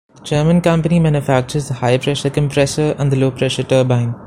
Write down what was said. The German company manufactures the high-pressure compressor and the low-pressure turbine.